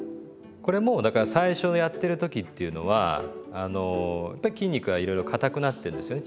これもだから最初やってる時っていうのはやっぱり筋肉がいろいろかたくなってるんですよね